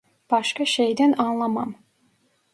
Başka şeyden anlamam!